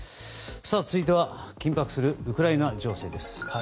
続いては緊迫するウクライナ情勢です。